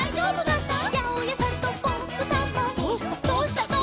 「どうした？」